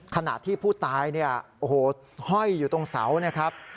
ขณะที่ผู้ตายเนี่ยโอ้โหห้อยอยู่ตรงเสานะครับ